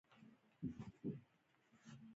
په سیند کې د بېړۍ چلونې په برخه کې قانون تصویب کړ.